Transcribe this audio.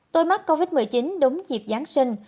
tôi mắc covid một mươi chín đúng dịp giáng sinh